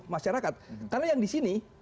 masyarakat karena yang di sini